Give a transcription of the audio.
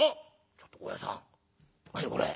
「ちょっと大家さん何これ。